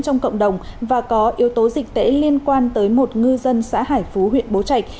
trong cộng đồng và có yếu tố dịch tễ liên quan tới một ngư dân xã hải phú huyện bố trạch